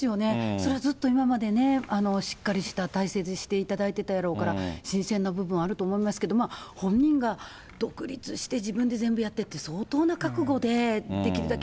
それはずっと今までね、しっかりした体制でしていただいてたやろうから、新鮮な部分あると思いますけど、まあ本人が、独立して、自分で全部やってって、相当な覚悟で、できるだけ